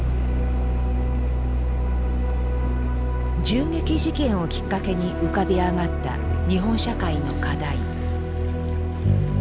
銃撃事件をきっかけに浮かび上がった日本社会の課題。